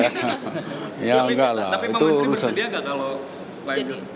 tapi pak menteri bersedia gak kalau baik itu